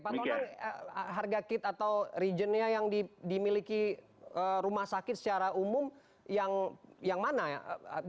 pak tonang harga kit atau regionnya yang dimiliki rumah sakit secara umum yang mana ya